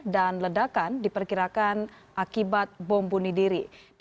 dan ledakan diperkirakan akibat bom buni diri